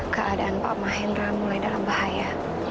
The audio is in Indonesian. keadaan pak mahendra mulai dalam bahaya